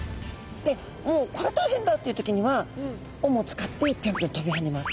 でもう「これは大変だ！」っていう時には尾も使ってぴょんぴょん飛び跳ねます。